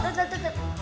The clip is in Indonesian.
tuh tuh tuh